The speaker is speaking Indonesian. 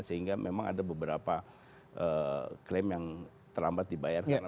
sehingga memang ada beberapa klaim yang terlambat dibayar karena